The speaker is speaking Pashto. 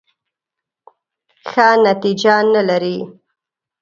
ښه نتیجه نه لري .